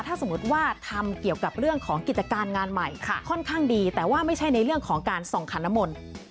ถ้าสมมุติว่าทำเกี่ยวกับเรื่องของกิจการงานใหม่ค่อนข้างดีแต่ว่าไม่ใช่ในเรื่องของการส่องขันน้ำมนต์